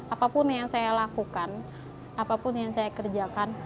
apapun yang saya lakukan apapun yang saya kerjakan